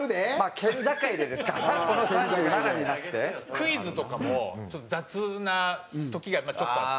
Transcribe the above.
クイズとかもちょっと雑な時がやっぱりちょっとあって。